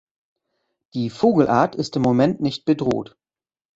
Die Vogelart ist im Moment nicht bedroht.